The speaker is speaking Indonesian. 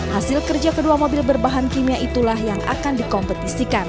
hasil kerja kedua mobil berbahan kimia itulah yang akan dikompetisikan